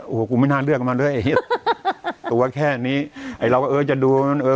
โอ้โหกูไม่น่าเลือกมันเลยตัวแค่นี้ไอ้เราก็เออจะดูมันเออ